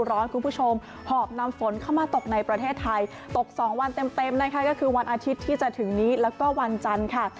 คุณผู้ชมหอบนำฝนเข้ามาตกในประเทศไทยตก๒วันเต็มนะคะก็คือวันอาทิตย์ที่จะถึงนี้แล้วก็วันจันทร์ค่ะ